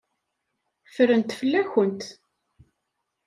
Ffrent fell-akent.